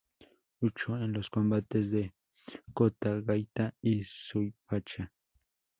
Luchó en los combates de Cotagaita y Suipacha.